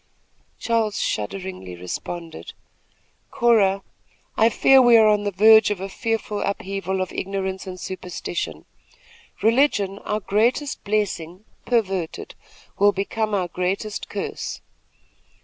Charles shudderingly responded: "Cora, I fear we are on the verge of a fearful upheaval of ignorance and superstition. Religion, our greatest blessing, perverted, will become our greatest curse.